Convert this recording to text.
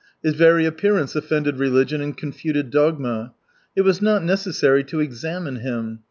His very appearance offended religion and confuted dogma. It was not necessary to examine him.